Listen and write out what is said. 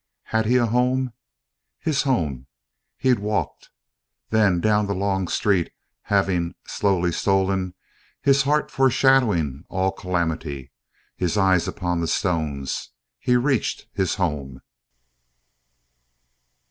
had he a home? His home he walk'd; Then down the long street having slowly stolen, His heart foreshadowing all calamity, His eyes upon the stones, he reached his home."